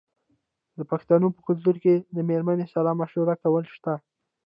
د پښتنو په کلتور کې د میرمنې سره مشوره کول شته.